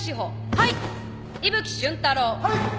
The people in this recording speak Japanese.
はい。